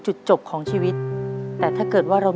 ปิดเท่าไหร่ก็ได้ลงท้ายด้วย๐เนาะ